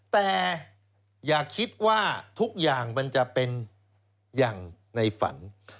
แต่อย่าคิดว่าทุกอย่างมันจะเป็นอย่างในฝัน